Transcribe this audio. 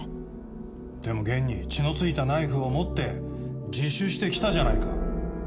でも現に血の付いたナイフを持って自首してきたじゃないか。